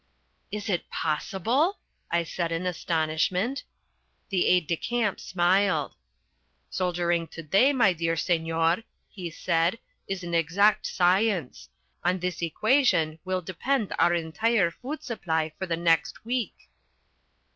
"Is it possible?" I said in astonishment. The aide de camp smiled. "Soldiering to day, my dear Senor," he said, "is an exact science. On this equation will depend our entire food supply for the next week."